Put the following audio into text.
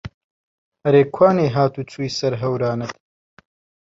ئەرێ کوانێ هات و چووی سەر هەوارانت